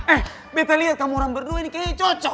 eh betta liat kamu orang berdua ini kayaknya cocok